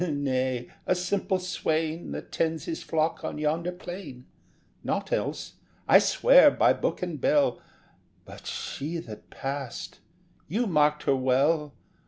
SHEPHERD. Nay, a simple swain That tends his flock on yonder plain, Naught else, I swear by book and bell. But she that passed you marked her well.